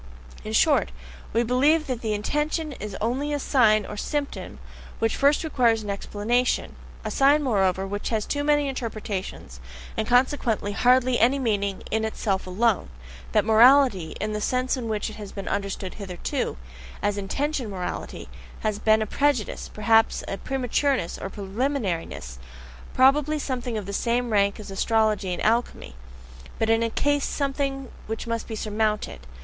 In short, we believe that the intention is only a sign or symptom, which first requires an explanation a sign, moreover, which has too many interpretations, and consequently hardly any meaning in itself alone: that morality, in the sense in which it has been understood hitherto, as intention morality, has been a prejudice, perhaps a prematureness or preliminariness, probably something of the same rank as astrology and alchemy, but in any case something which must be surmounted.